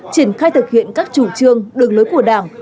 triển khai thực hiện các chủ trương đường lối của đảng